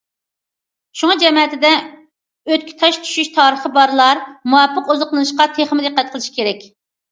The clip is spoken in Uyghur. شۇڭا جەمەتىدە ئۆتكە تاش چۈشۈش تارىخى بارلار مۇۋاپىق ئوزۇقلىنىشقا تېخىمۇ دىققەت قىلىشى كېرەك.